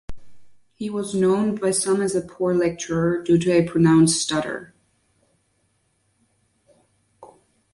He was known by some as a poor lecturer, due to a pronounced stutter.